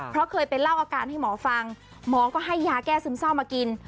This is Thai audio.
เพราะเคยไปเล่าอาการให้หมอฟังหมอก็ให้ยาแก้ซึมเศร้ามากิน